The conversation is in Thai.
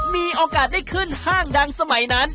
มีโอกาสได้ขึ้นห้างดังสมัยนั้น